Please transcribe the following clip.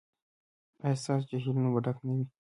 ایا ستاسو جهیلونه به ډک نه وي؟